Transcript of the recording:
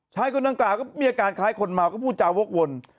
คนดังกล่าวก็มีอาการคล้ายคนเมาก็พูดจาวกวน